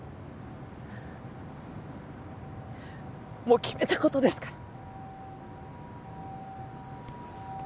もう決めた事ですから。